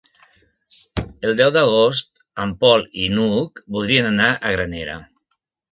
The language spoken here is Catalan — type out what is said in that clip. El deu d'agost en Pol i n'Hug voldrien anar a Granera.